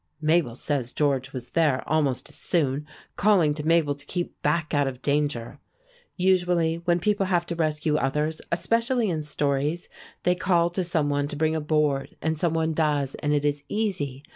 Mabel says George was there almost as soon, calling to Mabel to keep back out of danger. Usually when people have to rescue others, especially in stories, they call to some one to bring a board, and some one does, and it is easy.